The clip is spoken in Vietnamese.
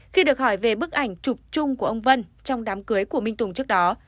khi được hỏi về bức ảnh chụp chung của ông vân trong đám cưới của minh tùng trước đó